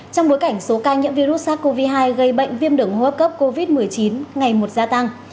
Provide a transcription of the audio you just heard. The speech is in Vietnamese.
trong bối cảnh số ca nhiễm virus sars cov hai gây bệnh viêm đường hô hấp cấp covid một mươi chín ngày một gia tăng